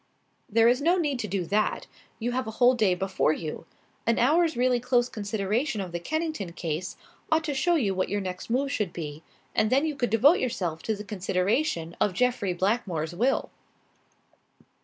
"There is no need to do that. You have a whole day before you. An hour's really close consideration of the Kennington case ought to show you what your next move should be, and then you could devote yourself to the consideration of Jeffrey Blackmore's will."